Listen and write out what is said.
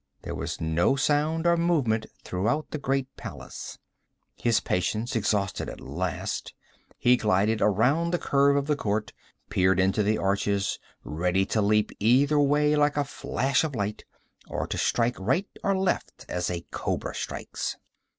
There was no sound or movement throughout the great palace. His patience exhausted at last, he glided around the curve of the court, peering into the arches, ready to leap either way like a flash of light, or to strike right or left as a cobra strikes.